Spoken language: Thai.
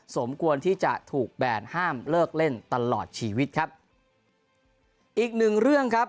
สมควรที่จะถูกแบนห้ามเลิกเล่นตลอดชีวิตครับอีกหนึ่งเรื่องครับ